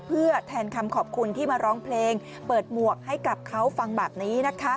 เพื่อแทนคำขอบคุณที่มาร้องเพลงเปิดหมวกให้กับเขาฟังแบบนี้นะคะ